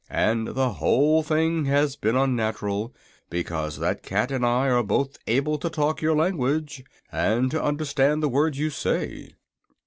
And the whole thing has been unnatural because that cat and I are both able to talk your language, and to understand the words you say."